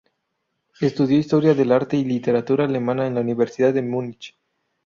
Estudió historia del arte y literatura alemana en la Universidad de Múnich.